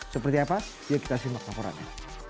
seperti apa yuk kita simak laporannya